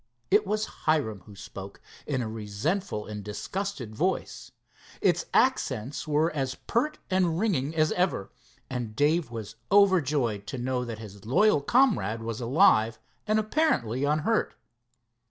It was Hiram who spoke, in a resentful and disgusted voice. Its accents were as pert and ringing as ever, and Dave was overjoyed to know that his loyal comrade was alive and apparently unhurt.